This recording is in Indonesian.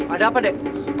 ada apa dek